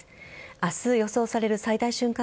明日予想される最大瞬間